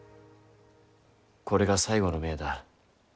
これが最後の命だ。